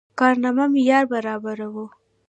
کارنامه معیار برابره وه.